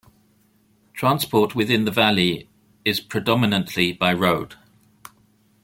Transport within the valley is predominantly by road.